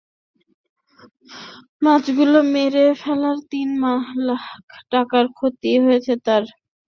মাছগুলো মেরে ফেলায় তিন লাখ টাকার ক্ষতি হয়েছে বলে দাবি করেন তিনি।